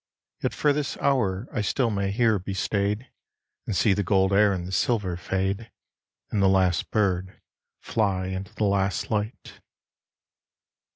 Yet for this hour I still may here be stayed And see the gold air and the silver fade And the last bird fly into the last light.